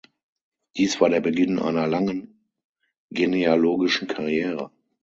Dies war der Beginn einer langen genealogischen Karriere.